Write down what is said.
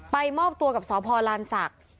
ไปมอบตัวกับสอพรรณศักดิ์